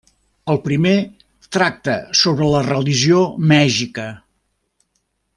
El primer tracta sobre la religió mexica.